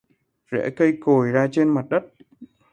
Rễ cây cồi ra trên mặt đất